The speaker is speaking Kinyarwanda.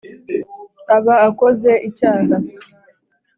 aba akoze icyaha.